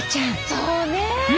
そうねえ。